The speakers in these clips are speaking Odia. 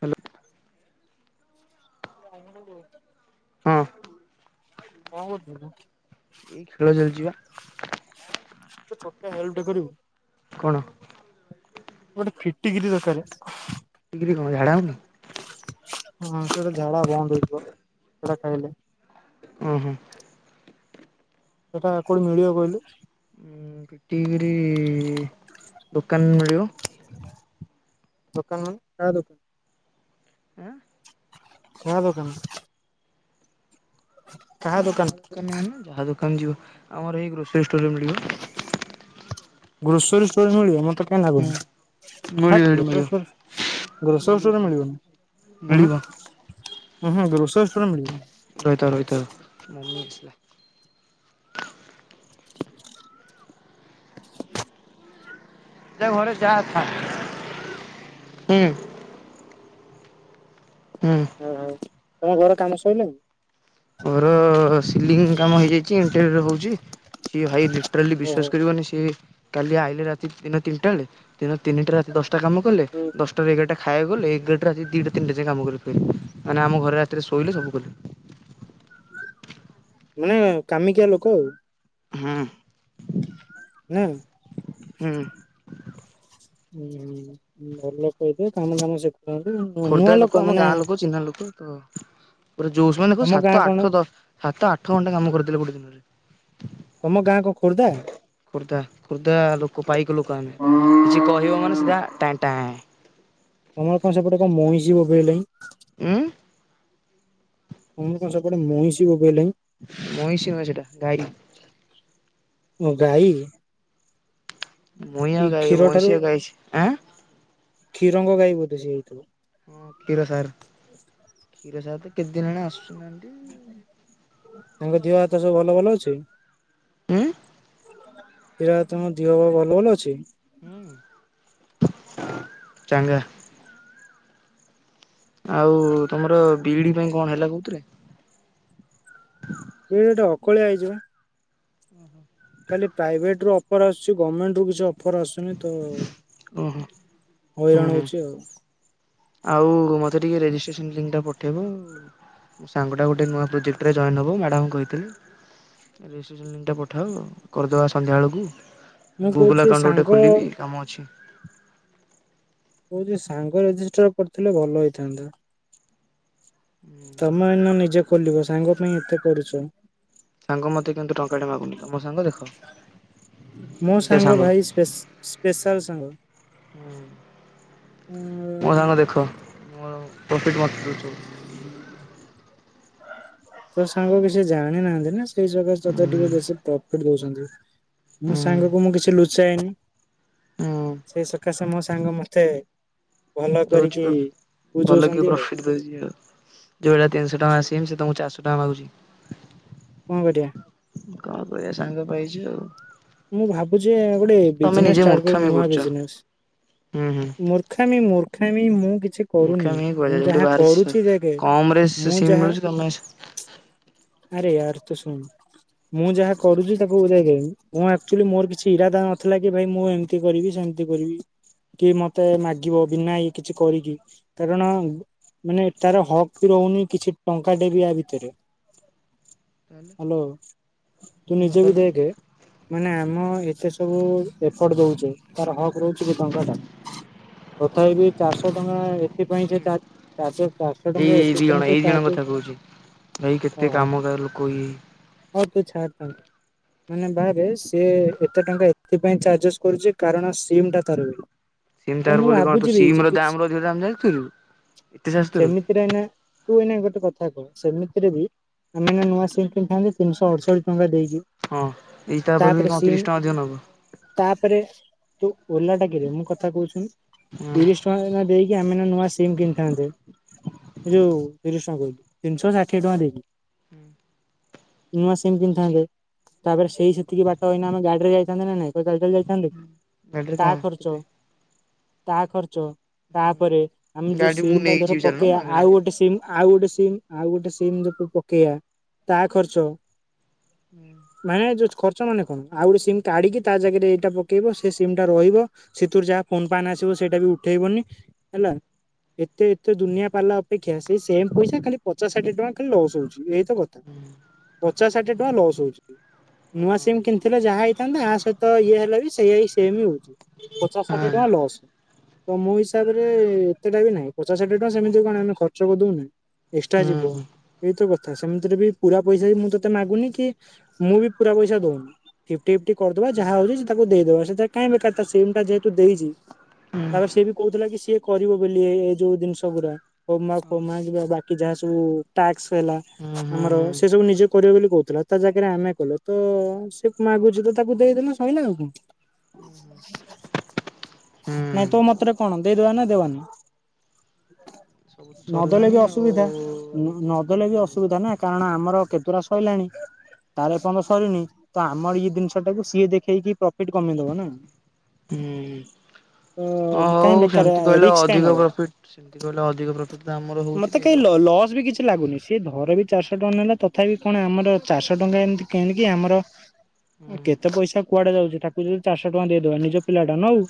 ହ୍ୟାଲୋ ବଙ୍ଗଲୁରୁ ହଁ। କଣ କରୁଥିଲୁ? ଏଇ ଖେଳ ଚାଲିଚି ବା। ଛୋଟିଆ ହେଲ୍ପ ଟେ କରିବୁ? କଣ ଗୋଟେ ଫିଟିକିରି ଦରକାର। ି [inaudible] କ୍ର୍ରୀ କଣ ଝାଡ଼ା ହଉନି ହଁ ସେଇଟା ଝାଡ଼ା ବନ୍ଦ ହୁଏ ପା ସେଟା ଖାଇଲେ ଉଁ ହୁଁ। ସେଟା କୋଉଠି ମିଳିବ କହିଲୁ? ଫିଟିକରି ଇ ଦୋକାନରେ ମିଳିବ। ଦୋକାନ ମାନେ କାହା ଦୋକାନ? ଆଁ କାହା ଦୋକାନ? ହ [inaudible] କାହା ଦୋକାନ ମାନେ? ଯାହା ଦୋକାନ ଯିବ ଆମର ଏଇ ଗ୍ରୋସୋ ରି ଷ୍ଟୋରେ ମିଳିବ। ଗ୍ରୋସରି ଷ୍ଟୋରରେ ମିଳିିବ ମ ତେ କାଇଁ ହୁଁ ଲାଗୁନି ମିଳିବ ହାଟ୍ ସେଠି ମିଳିବ ଗ୍ରୋସେରି ଷ୍ଟୋର୍ରେ ଗ୍ରୋସୋରୀ ମିଳିବ ଷ୍ଟୋର୍ରେ ମିଳିବ ମିଳିବନି। ଉହୁଁ, ହଁ ହଁ ଗ୍ରୋସସ୍ ହୁ ରହିଥା ରହିଥାଅ ମମି ପସଲା। ଘରେ ଯାଥା ହୁଁ। ହୁଁ। ଓହୋ ତମ ଘର କାମ ସଇଲାଣି? ଡେର ରେ ହଉଛି ସିଏ ଭାଇ ଲି ଟ୍ରାଲୀ ବିଶ୍ୱାସ ଓହୋ କରିବନି ସିଏ। କାଲି ଆଇିଲେ ରାତି ଦିନ ତିନିଟା ବେଳେ ଦିନ ତିନିଟା ରାତି ଦଶ ଟା କାମ କଲେ ଦଶଟାରୁ ଏଗାରଟା ଖାଇବାକୁ ଗଲେ ଏଗାରଟା ରାତି ଦିଇଟା ତିନିଟା ଯାଏଁ କାମ କଲେ ଫେର। ମାନେ ଆମ ଘରେ ରାତିରେ ଶୋଇଲେ ସବୁ କଲେ। ମାନେ କାମିକିଆ ଲୋକ ଆଉ। ହୁଁ। ନାହିଁ। ହୁଁ। ହୁଁ ହୁଁ ଭଲ ଲୋକ ହେଇଥିବେ କାମ ଦାମ ଶିଖୁ ଖୋର୍ଦ୍ଧା ଲୋକ ଆମ ଗାଁ ଲୋକ ଚିହ୍ନା ଲୋକ ତ ପୁରା ଯୋସ ମାନେ କହୁ ତମ ଗାଁ ସାତ କଣ ଆଠ ଦ ସାତ ଆଠ ଘଣ୍ଟା କାମ କରିଦେଲେ ଗୋଟେ ଦିନରେ। ତମ ଗାଁ କଣ ଖୋର୍ଦ୍ଧା? ଖୋର୍ଦ୍ଧା ଖୋର୍ଦ୍ଧା ଲୋକ ପାଇକ ଲୋକ ଆମେ କିଛି କହିବ ତମର ମାନେ ସିଧା ଟାଁଏ ଟାଁଏ। ତମର କଣ ସେପଟେ କଣ ମଇଁଷୀ ବୋବେଇ ଲେଇଁ? ଉଁ, ତମର କଣ ସେପଟେ ମଇଁଷି ବୋ ମଇଁଷି ନୁହେଁ ସେଟା ଗାଈ। ମୁଁ ଗାଈ ମହିଁଆ ଏଇ ଗାଇ କ୍ଷୀର ଠାରୁ ମହିଁଷିଆ ଗାଈ ସେ। ଆଁ କ୍ଷୀରଙ୍ଗ ଗାଈ ବୋଧେ ସେ ହେଇଥିବ। ହଁ କ୍ଷୀର ସାର୍ କ୍ଷୀର ସାର୍ ତ କେତେ ଦିନ ହେଣା ଆସୁ ନାହାଁନ୍ତି। ତାଙ୍କ ଦିଅ ହାତ ସବୁ ଭଲ ଭଲ ଅଛି। ଉଁ କିରା ତମ ଦିଅ ବା ଭଲ ଭଲ ଅଛି। ହୁଁ ଚାଙ୍ଗା ଆଉ ତମର ବିଇଡି ପାଇଁ କଣ ହେଲା କୋଉଥିରେ? ବି ଇ ଡି ଅକଳିଆ ହେଇଚି ବା। ଖାଲି ପ୍ରାଇଭେଟ ର ଆସଛି ଗର୍ଣ୍ଣେଣ୍ଟ ର କିଛି ଅ ଅଫର ଆସୁନି ତ ଓହୋ ହୁଁ ହଇରାଣ ହୁଁ ହଉଛି ଆଉ। ଆଉ ମୋତେ ଟିକିଏ ରେଜିଷ୍ଟ୍ରେସନ୍ ଲିଙ୍କଟା ପଠାଇବୁ ମୋ ସାଙ୍ଗଟା ଗୋଟେ ନୂଆ ପ୍ରୋଜେକ୍ଟରେ ଜଏନ୍ ହେବ ମ୍ୟାଡ଼ାମ କହିଥିଲେି ରେଜିଷ୍ଟ୍ରେସନ୍ ଲିଙ୍କଟା ପଠାଅ କରିଦେବା ସନ୍ଧ୍ୟାବେଳକୁ। ମୁଁ ଗୁଗୁଲ କହୁଛି ଆକାଉଣ୍ଟ ଗୋଟେ ସାଙ୍ଗ ଖୋଲିବି କାମ ଅଛି। କୋଉଛି ସାଙ୍ଗ ରେଜିଷ୍ଟର କରିଥିଲେ ଭଲ ହେଇଥାନ୍ତା। ହୁଁ ତମେନ ନିଜକୁ ଖୋଲିବ ସାଙ୍ଗ ପାଇଁ ଏତେ କରୁଛ। ସାଙ୍ଗ ମତେ କିନ୍ତୁ ଟଙ୍କା ଟା ମାଗୁନି ତମୋ ସାଙ୍ଗ ଦେଖ ମୋ ଏମିତିଆ ସାଙ୍ଗ ହୁ ଭାଇ ସ୍ପେସ ସ୍ପେଶାଲ ସାଙ୍ଗ ମୋ ସାଙ୍ଗ ଉଁ ଦେଖ ମୋ ପ୍ରଫିଟ [unintelligible] ତୋ ସାଙ୍ଗ କିଛି ଜାଣି ନାହାନ୍ତି ନା। ସେଇ ଜାଗା ହୁଁ ଟିକେ ବେଶୀ ପ୍ରପ୍ କରିଦଉଛନ୍ତି ମୋ ହୁଁ ସାଙ୍ଗକୁ ମୁଁ କିଛି ଲୁଚାଏନି। ହୁଁ ସେଇ ସକାଶେ ମୋ ସାଙ୍ଗ ମତେ ଭଲ ଦଉଛି କରିକି ଭଲ କି ବୁଝଉଛନ୍ତି ଆଉ ପ୍ରଫିଟ ଦଉଛି ଆଉ ଯୋଉଭଳିଆ ତିନିଶହ ଟଙ୍କିଆ ସିମ୍ ସେ ତମକୁ ଚରିସ ଟା ମାଗୁଛି। କଣ କରିବା କଣ କରିବା ସାଙ୍ଗ ପାଇଛୁ ଆଉ। ମୁଁ ଭାବୁଛି ଗୋଟେ ତମେ ବିଜନେସ ନିଜେ ଷ୍ଟାର୍ଟ କରିବି ମୂର୍ଖାମି ନୂଆ କରୁଛ ବିଜନେସ ହୁଁ ମୂର୍ଖାମିମର୍ଖା ମୂର୍ଖାମୀ ମୁଁ କିଛି କରୁନି ମୂର୍ଖାମୀ ମୁଁ କୁହାଯାଏ। ଯୋଉଠି ଯାହା ବାହାରେ କରୁଛି ଦେଖେ କମ୍ ରେ ମୁଁ ସିମ୍ ମିଳୁଛି ତମେ ସେ ଆରେୟାର ତ ଶୁଣ ମୁଁ ଯାହା କରୁଛି ତାକୁ ବୁଝାଇି ମୁଁ ଆକଚୁଆଲି ମୋର କିଛି ଇରାଦା ନଥିଲା କି ଭାଇ ମୁଁ ଏମିତି କରିବି ସେମତି କରିବି କି ମତେ ମାଗିବ ବିନା କିଛି କରିକି କାରଣ ମାନେ ତାର ହକ୍ ବି ରହୁନି କିଛି ଟଙ୍କା ଟେ ଆ ଭିତରେ ହ୍ୟାଲୋ ତୁ ନିଜେ ବି ତାହେଲେ ଦେଖେ ମାନେ ମୁଁ ଏତେ ସବୁ ଏଫର୍ଟ ଦଉଛେ ତାର ହକ୍ ରହୁଛି କି ଟଙ୍କା ଟା ତଥାପପି ଚାରିଶହ ଟଙ୍କା ଟା ଏଥିପାଇଁ ଯେ ଏଇ ଏଇ ଦି ଜଣ ଏଇ ଦି ଜଣ କଥା କହୁଛି ଭାଇ କେତେ କେତେ ଓହୋ କାମୁକ ଲୋକ ହଉ ତୁ ଛାଡ ଇଏ। ତାଙ୍କୁ ମାନେ ବାହାରେ ସିଏ ଏତେ ଟଙ୍କା ଏଥିପାଇଁ ଚାର୍ଜେସ କରୁଛି କାରଣ ସିମ୍ ଟା ତାର ବି। ସିମ୍ ତ ତାର ମୁଁ ବୋଲି କଣ ତୁ ଭାବୁଛି ସିମ୍ ର କିଛି ଦାମ ର ଅଧିକ ଦାମଠୁ ଏତେ ଚାର୍ଜ ସେମିତିରେ ଏଇନା କରିବ। ତୁ ଏଇନା ଗୋଟେ କଥା କହ ସେମିତିରେ ବି ଆମେ ଏବେ ନୂଆ ସିମ୍ କିନିଥାନ୍ତେ ତିନିଶ ଅଷଠି ଟଙ୍କା ଦେଇକି ହଁ ଏଇ ତା ବୋଲି ତାପରେ କଣ ତିରିଶ ସିମ୍ ଟଙ୍କା ଅଧିକ ନବ ତାପରେ ତୁ ଓଲାଟା କିରେ ମୁଁ କଥା କହୁଛ ହଁ। ତିରିଶ ଟଙ୍କା ଦେଇକି ଆମେ ନୂଆ ସିମ୍ କିଣିଥାନ୍ତେ ଏ ଯୋଉ ତିରିଶ ତିନିଶହ ଷାଠିଏ ଟଙ୍କା ଦେଇକି ହୁଁ। ନୂଆ ସିମ୍ କିଣି ଥାନ୍ତେ। ତାପରେ ସେଇ ସେତିକି ବାଟ ଏଇକିନା ଆମେ ଗାଡିରେ ଯାଇଥାନ୍ତେ କି ନାଇଁ। ଚାଲି ଚାଲି ଯାଇଥାନ୍ତେ କି ଗାଡିରେ ତା କଣ ଖର୍ଚ୍ଚ କେତେ ତାହା ଖର୍ଚ୍ଚ। ତାପରେ ଆମେ ହୁଁ ଯୋଉ ଗାଡି ମୁଁ ସିମ୍ ଟା ନେଇକି ଧର ଯିବି ଚାଲୁନ ପକେଇବା ଆଉ ମାଗଣାରେ। ଗୋଟେ ସିମ୍ ଆଉ ଗୋଟେ ସିମ୍ ଆଉ ଗୋଟେ ସିମ୍ ଯୋ ସେୟା ତା ଖର୍ଚ୍ଚ। ହଁ [inaudible] ଯୋ ଖର୍ଚ୍ଚ ମାନେ କଣ ଆଉ ଗୋଟେ ସିମ୍ କାଢ଼ିକି ତା ଜାଗାରେ ଏଇଟା ପକେଇବ ସେ ସିମ୍ ଟା ରହିବ ସେଥିରୁ ଯାହା ଫୋନ୍ ଫନ୍ ଆସିବ ସେଇଟା ବି ଉଠେଇବନି ହେଲା ଏତେ ଏତେ ଦୁନିଆ ପାଲା ଅପେକ୍ଷା ସେଇ ସେମ୍ ପଇସା ଖାଲି ପଚାଶ ଷାଠିଏ ଟଙ୍କା ଖାଲି ଲସ୍ ହଉଛି। [unintelligible] କଥା। ହୁଁ ପଚାଶ କେତେ ଟଙ୍କା ଲସହଉଛି। ହୁଁ ନୂଆ ସିମ୍ କିଣିଥିଲ ଯାହା ହେଇଥାନ୍ତା ୟା ସହିତ ଇଏ ହେଲା ବି ସେଇ ସେମି ହୁଁ। ପଚାଶ ଷାଠିଏ ଟଙ୍କା ଲସ୍। ତ ମୋ ହିସାବରେ ଏତେଟା ବି ନାହିଁ ପଚାଶ ଷାଠିଏ ଟଙ୍କା ସେମିତି କଣ ଆମେ ଖର୍ଚ୍ଚ କରିଦଉନେ। ଏକ୍ସଟ୍ରା ଯିବ ହୁଁ ଏଇତ ସେମିତିରେ ବି ପୁରା ପଇସା ବି ମୁଁ ତତେ ମାଗୁନି କି ମୁଁ ବି ପୁରା ପଇସା ଦଉନି। ଟିପ୍ ଟି କରିଦବା ଯାହା ହଉଛି ତାକୁ ଦେଇଦବା। ସେ କାଇଁ ବେକାର ଟାରେ ସିମ୍ ଟା ଯେହେତୁ ଦେଇଛୁ ତାପରେ ସିଏ ବି କହୁଥିଲା କି ସିଏ କରିବ ବୋଲି ଏଇ ଯୋଉ ଜିନିଷ ଗୁଡା। ହୋମୱାର୍କ ହୋମୱାର୍କ ବା ଯାହା ସବୁ ଟାସ୍କ ହେଲା ହୁଁ ହୁଁ ଆମର ସେ ସବୁ ନିଜେ କରିବ ବୋଲି କହୁଥିଲା ତା ଜାଗାରେ ଆମେ କଲ ତ ସେ ନ ବୁଝିକି ତ ତାକୁ ଦେଇ ଦେଲେ ସଇିଲା ଆଉ କଣ। [unintelligible] ହୁଁ ନାଇଁ ତୋ ମତରେ କଣ ଦେଇଦବା ନା ଦେବାନି। ସବୁ ତ ନଦେଲେ ସରିଲାଣି ବି ଆଉ ଅସୁବିଧା କଣ ନଦେଲେ କରିକି ବି ଲାଭ। ଅସୁବିଧା ନା କାରଣ ଆମର କେତେ ପୁରା ସରିଲାଣି ତାର ଏ ପର୍ଯ୍ୟନ୍ତ ସରିନି ତ ଆମର ଇଏ ଜିନିଷ ଟାକୁ ସିଏ ଦେଖେଇକି ସେଇଠୁ କମେଇଦବ ନା ହୁଁ ହଁ ତ କାହିଁ ହଉ ବେକାର ସେମିତି କହିଲେ ରିକ୍ସ କାହିଁ ଅଧିକ ନବା। ପ୍ରଫିଟ ସେମତି କହିଲେ ଅଧିକ ପ୍ରଫିଟ ତ ଆମର ହଉଛି ମତେ କାହିଁ ଦେଇଦବ ଆଉ ଲସ୍ ବି ଲାଗୁନି କିଛି ସିଏ ଧର ବି ଚାରିଶହ ଟଙ୍କା ନେଲା ତଥାପି କଣ ଆମର ଚାରିଶହ ଟଙ୍କା ଏମିତି କିଣିକି ଆମର କେତେ ପଇସା କୁଆଡେ ଯାଉଛି ତାକୁ ଯଦି ଚାରିହ ଟଙ୍କା ଦେଇଦବା ନିଜ ପିଲାଟା ନଉ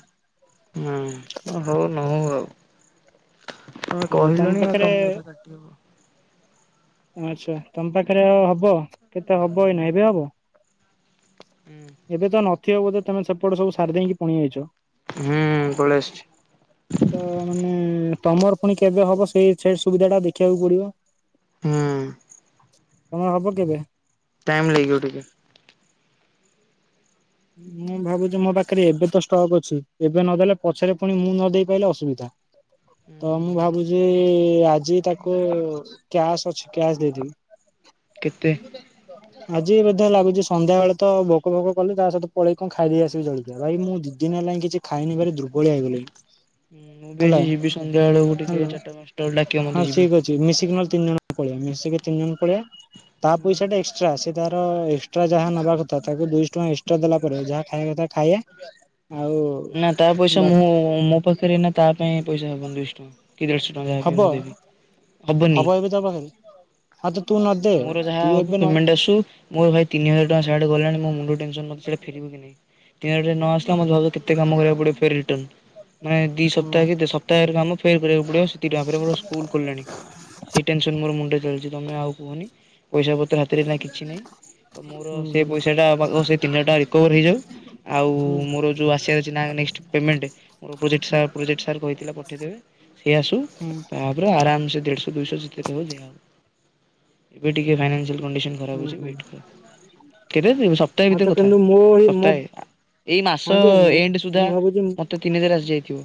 ହ ଆଉ କହିଲୁଣି ଆଉ ପାଖରେ ତମ କଥା କାଟି ହବ ଆଚ୍ଛା ତମ ପାଖରେ ଆ ହବ କେତେ ହବ ଏଇ ନ ଏବେ ହବ ଏବେ ତ ନ ବୋଧ ତେ ସେପଟ ସବୁ ସାରି ଦେଇକି ପୁଣି ଆଇଛ ହୁଁ ପଳେଇ ଆସଛି ତ ମାନେ ତମର ପୁଣି କେବେ ହବ ସେଇ ସେ ସୁବିଧା ଟା ଦେଖିବାକୁ ପଡିବ ହୁଁ, ତମର ହବ କେବେ ଟାଇମ୍ ଲାଗିବ ଟିକେ ମୁଁ ଭାବୁଛି ମୋ ପାଖରେ ଏବେ ତ ଷ୍ଟକ୍ ଅଛି ଏବେ ନଦେଲେ ପଛରେ ପୁଣି ମୁଁ ନ ଦେଇେଇ ପାରିଲେ ଅସୁବିଧା ତ ମୁଁ ଭାବୁଛି ଆଜି ତାକୁ କ୍ୟାସ୍ ଅଛି କ୍ୟାସ୍ ଦେଇଦେବି କେତେ ଆଜି ମଧ୍ୟ ଲାଗୁଛି ସନ୍ଧ୍ୟା ବେଳେ ତ ଭୋକ ଫୋକ କଲେ ତା ସହିତ ପଳେଇ କଣ ଖାଇ ଦେଇେଇ ଆସିବି ଜଳଖିଆ ଭାଇ ମୁଁ ଦି ଦିନ ହେଲାଣି କିଛି ଖାଇନବାର ଦୁର୍ବଳିଆ ହେଇଗଲିଣି ମୁଁ ବି ହେଲା ଆଜି ଯିବି ସନ୍ଧ୍ୟା ବେଳକୁ ଟିକେ ହେଲା ଚାରିଟା ପାଞ୍ଚଟା ବେଳକୁ ଡାକିବ ମତେ ହଁ ଯିବି। ଠିକ ଅଛି ମିଶିକି ନହେଲେ ତିନି ଜଣ ପଳେଇଆ ମିଶିକି ତିନି ଜଣ ପଳେଇ ତା ପଇସା ଟା ଏଷ୍ଟ୍ରା ତାର ଏଷ୍ଟ୍ରା ଯାହା ନେବା କଥା ତାକୁ ଦୁଇଶହ ଟଙ୍କ ଏ ତ ଦେଲା ପରେ ଯାହା ଖାଇବା କଥା ଖାଇବା ନା ତା ପଇସା ମୁଁ ମୋ ପାଖରେ ନା ତା ପାଇଁ ପଇସା ହବନ ଦୁଇଶହ ଟଙ୍କା କି ଦେଢ଼ଶହ ଟଙ୍କା ଯାହା ଵି ହବ ହେଉ ମୁଁ ଦେବି ହବନି ହବ ଏବେ ତା ପାଖରେ ହଁ ତ ତୁ ନ ମୋର ଯାହା ତୁ ହବ ଏବେ ପେମେଣ୍ଟ ଆସୁ ମୋର ଭାଇ ତିନି ହଜାର ଯା ସିଆଡେ ଗଲାଣି ମୋ ମୁଣ୍ଡ ଟେନ୍ସନ ନଥିଲେ ଫେରିବ କିି ନାଇଁ ଆସିଲା ମ ଭ କେତେ କ କରିବାକୁ ପଡିବ ମାନେ ହୁଁ ଦିସପ୍ତାହରୋମ ଫେ କରିବାକୁ ପଡିବି ସ୍କୁଲ ଖୋଲିଲାଣି ମୋ ମୁଣ୍ଡ ମିଳିଛି ତମେ ଆଉ ପୁଣି ପଇସା ପତ୍ର ହାତରେ ନା କିଛି ନାହିଁ ତ ମୋର ହୁଁ ସେ ପଇସାଟା ସେଇଥି ପାଇଁ ରିକଭର ହେଇଯାଉ ଆଉ ହୁଁ ମୋର ଯେଉଁ ଆସିବାର ଅଛି ନା ନେକ୍ସଟ ପେମେଣ୍ଟ ମୋର ପ୍ରୋଜେକ୍ଟ ସାର ହୁଁ ପ୍ରୋଜେକ୍ଟ ସାର କହିଥିଲା ପଠେଇଦେବେ ସେ ଆସୁ ହୁଁ ତା ପରେ ଆରାମ ସେ ଦେଢ଼ଶହ ଦୁଇଶହ ସିକ୍ରେଟ ହବ ଦିଆହବ। ଏବେ ଟିକେ ଫାଇନାନସିଆଲି କଣ୍ଡିସନ ଖରାପ ହୁଁ ଅଛି ହୁଁ ୱେଟ କର କେରେଇ ଦେବି ସପ୍ତାହେ ହଁ ତ ଭିତର କଥା କିନ୍ତୁ ମୋ ମୋ ସପ୍ତାହେ ଏଇ ହଁ ମାସ ଯେ ମୁଁ ଏଣ୍ଡ ସୁଦ୍ଧା ମୁଁ ଭାବୁଛି ମତେ ତିନିଦି ରାଜି। କିଉଁ?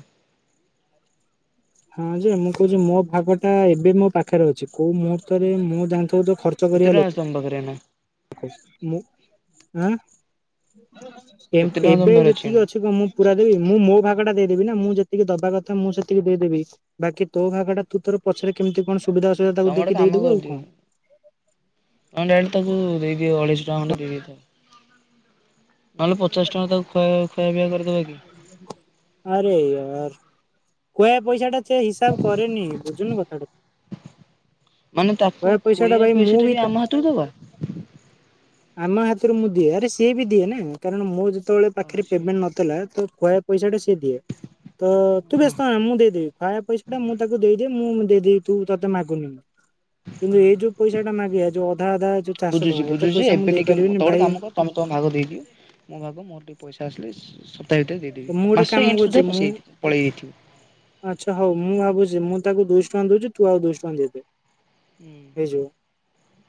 ହଁ ଯେ ମୁଁ କହୁଚି ମୋ ଭାଗ ଟା ଏବେ ମୋ ପାଖେରେ ଅଛି କୋଉ ମୁହୂର୍ତ୍ତରେ ମୁଁ ଜାଣିଥିବ ତ ଖର୍ଚ୍ଚ କେତେ କରିବା ଟଙ୍କା ଅଛି ତମ ପାଖରେ ଏଇନା। ମୁଁ ଆଁ। କେତେ କେମ ଟଙ୍କା ତମ ଏବେ ପାଖରେ ଯେତିକି ଏଇନା ଅଛି କ ମୁଁ ପୁରା ଦେବି ମୁଁ ମୋ ଭାଗ ଟା ଦେଇଦେବି ନା ମୁଁ ଯେତିକି ଦବା କଥ ଥା ମୁଁ ସେତିକି ଦେଇଦେବି ବାକି ତୋ ଭାଗ ଟା ତୁ ତୋର ପଛରେ କେମିତି କଣ ସୁବିଧା ଅସୁବିଧା ତାକୁ ତମେ ଗୋଟେ ଦେଖି କାମ ଦେଇଦବୁ ଆଉ କଣ। କରିଦିଅ ତମେ ଡାଇରେକ୍ଟ ତାକୁ ଦେଇ ଦିଅ ଅଢେଇଶ ଟଙ୍କା ଖଣ୍ଡେ ଦେଇ ଦେଇ ଥାଅ। ନହେଲେ ପଚାଶ ଟଙ୍କା ତାକୁ ଖୁଆ ଖାଇବା ପିଇବା କରିଦବା କି। କୁଏ ପଇସା ଟା ଚେ ହିସାବ କରିନି ବୁଝୁନୁ କଥାଟା ତୁ। ମାନେ ତାକୁ କୋୟା ପଇସା ଟା ଖୁଆଇବା ଭାଇ ମୁଁ ପଇସା ଟା ବି ତା ଆମ ହାତରୁ ଦବା। ତୁରୁ ମୁଁ ଦିଏ ଆରେ ସି ବି ଦିଏ ନା କାରଣ ମୋର ଯୋ ତବେଳେ ଓହୋ ପାଖେରେ ସିଏ ପେମେଣ୍ଟ ନଥିଲା ତ ଖୁଆଇବା ପଇସା ଟା ସିଏ ଦିଏ ତ ତୁ ହଁ ବ୍ୟସ୍ତ ହନା ମୁଁ ଦେଇଦବି ଖାଇବା ପଇସା ମୁଁ ତାକୁ ଦେଇଦି ମୁଁ। ଦେଇି ଦେବି ତୁ ତୋତେ ମାଗୁନି। କିନ୍ତୁ ହୁଁ ଏଇ ଯୋଉ ପଇସା ଟା ମାଗିବା ଯୋଉ ଅଧା ଅଧା ଯୋଉ ଚାରିଶହ ବୁଝୁଛି ଟଙ୍କା ଏତେ ବୁଝୁଛି ପଇସା ମୁଁ ଏବେ ଦେଇ ଟିକେ ତ ପାରିବିନି ଗୋଟେ ଭାଇ। କାମ କର ତମେ ତମ ଭାଗ ଦେଇଦିଅ। ମୋ ଭାଗ [unintelligible] ଦେଇଦେବି। ମୁଁ ଗୋଟେ ମାସ କାମ ଏଣ୍ଡ ସୁଦ୍ଧା କରୁଛି ପଶି ମୁଁ ଯାଇଥିବ ପଳେଇ ଯାଇଥିବ। ଆଛା ହଉ ମୁଁ ଭାବୁଛି ମୁଁ ତାକୁ ଦୁଇଶ ଟଙ୍କା ଦଉଛି ଆଉ ଦୁଇଶ ଟଙ୍କା ଦେଇ ଦେ। ହୁଁ ହେଇଯିବ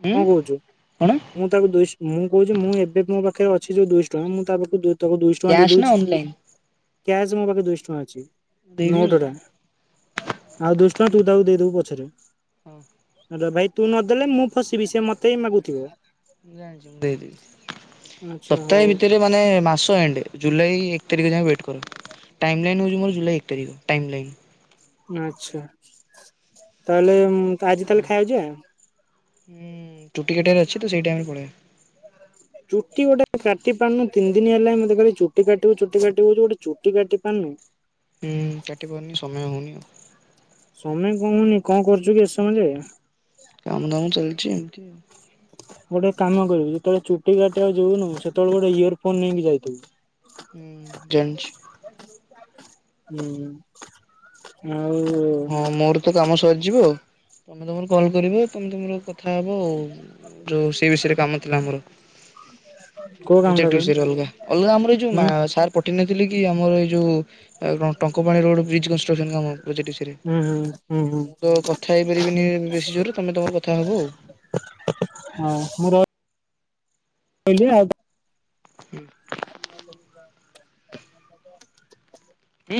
ଉଁ କଣ କହୁଛୁ କଣ ମୁଁ ତାକୁ ଦୁଇଶ ମୁଁ କହୁଛି ମୁଁ ଏବେ ମୋ ପାଖେ ରେ ଅଛ ଅଛି ଜଉ ଦୁଇଶ ଟଙ୍କା ମୁ ତା ପାଖକୁ ଦୁ ତାକୁ ଦୁଇଶ ଟଙ୍କା ଦେଇ କ୍ୟାସ୍ ନା ଦଉଚି। ଅନଲାଇନ୍? କ୍ୟାସ ମୋ ପାଖରେ ଦୁଇଶ ଟଙ୍କା ଅଛି। ଦେଇଦେବି ଆଉ ନୋଟ ଟା ଆଉ ଦୁଇଶ ଟଙ୍କା ତୁ ତାକୁ ଦେଇଦବୁ ପଅ ଛାଜ। ହଁ। ନଦା ବାଇ ତୁ ନଦେଲେ ମୁଁ ଫସିବି ସେ ମତେ ହି ମାଗୁଥିବେ। ଜାଣିଚି ମୁ ଦେଇଦେବି ଆଚ୍ଛା ସପ୍ତାହେ ହଉ ଭିତରେ ମାନେ ମାସ ଏଣ୍ଡ ଜୁଲାଇ ତାରିଖ ଯାଏେ ୱେଟ କର ଟାଇମ ଲାଇନ୍ ହେଉଛି ମୋର ଜୁଲାଇ ଏକ ତାରିଖ ଟାଇମ ଲାଇନ୍। ଆଚ୍ଛା ତାହଲେ ମୁ ତ ଆଜି ତାହେଲେ ଖାଇବାକୁ ଯିବା। ହଁ ଚୁଟିିକଟରେ ଅଛି ତ ସେଇ ଟାଇମରେ ପଳେଇଆ। ଚୁଟି ଗୋଟେ କାଟି ପାରୁନୁ ତିନି ଦିନ ହେଲାଣିଁ ମତେ କହଲି ଚୁଟି କାଟିବୁ ଚୁଟି କାଟିବ ଗୋଟେ ଚୁଟି କାଟି ପାରୁନୁ। ହୁଁ କାଟି ପାରୁନି ସମୟ ହଉନି ଆଉ। ସମୟ କ ହଉନି କଣ କରୁଛୁ କି ଏ ସମୟ ଯାଏ। କାମ ଦାମ ଚାଲିଛି। ଚି ଗୋଟେ କାମ କରିବୁ ଯେତେବେଳେ ଚୁଟି କାଟ ଆଉ ଯିବୁନୁ ସେତେବେଳେ ଗୋଟେ ଇୟର ଫୋନ ନେଇକି ଯାଇଥିବୁ। ହ ଜାଣିଚି। ହୁଁ ହୁଁ ହଁ ମୋର ତ କାମ ସ ଯିବ ଆ ତମେ ତମର କଲ୍ କରିବ ତମେ ତୁମର କ କଥା ହେବ ଆ ଯୋଉ ସେ ବିଷୟରେ କାମ ଥିଲା। ଆମର କୋଉ କାମଟା ପ୍ରୋଜେକ୍ଟ କହିଲୁ ବିଷୟରେ ଅଲଗା ଅଲଗା ଆମର ଏ ଯଉ ହୁଁ ସାର୍ ପଠେଇ ନଥିଲେ କି ଆମର ଏଇ ଯୋଉ ଟଙ୍କପାଣି ରୋଡ ବ୍ରିଜ କନଷ୍ଟ୍ରକ୍ସନ କାମ ସେଠୀ ହୁଁ ହୁଁ ହୁଁ ହୁଁ ମୁଁ ତ କଥା ହେଇପାରିବିନି ବେଶୀ ଜୋରରେ ତମେ ତମର କଥା ହବ ଆଉ। ବିଲ ହୁଁ [inaudible]